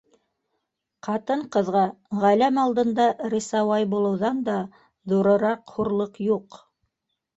Ҡатын-ҡыҙға ғәләм алдында рисуай булыуҙан да ҙурыраҡ хурлыҡ юҡ.